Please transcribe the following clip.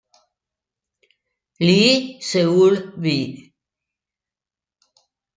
Lee Seul-bi